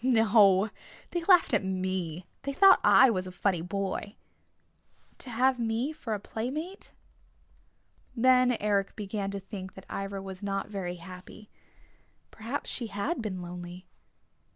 "... No, they laughed at me. They thought I was a funny boy." "To have me for a playmate?" Then Eric began to think that Ivra was not very happy. Perhaps she had been lonely.